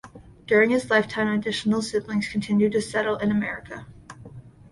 During his lifetime additional siblings continued to settle in America.